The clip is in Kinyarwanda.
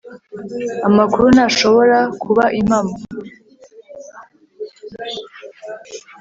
amakuru ntashobora kuba impamo